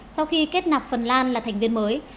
sau khi kết nạp phần lan là thành viên mới